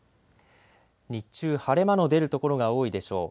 日中、晴れ間の出る所が多いでしょう。